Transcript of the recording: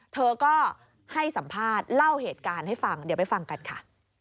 เธอก็ให้สัมภาษณ์เล่าเหตุการณ์ให้ฟังเดี๋ยวไปฟังกันค่ะ